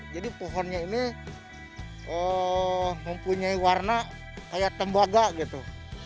jadi pohonnya ini mempunyai warna kayak tembaga gitu